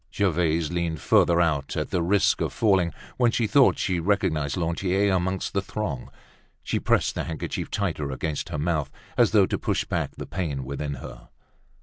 Gervaise leaned further out at the risk of falling when she thought she recognized Lantier among the throng. She pressed the handkerchief tighter against her mouth, as though to push back the pain within her.